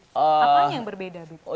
apanya yang berbeda dip